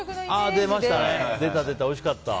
出た、おいしかった。